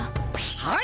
はい！